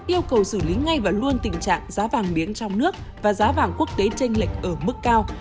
yêu cầu xử lý ngay và luôn tình trạng giá vàng miếng trong nước và giá vàng quốc tế tranh lệch ở mức cao